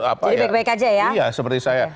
jadi baik baik saja ya iya seperti saya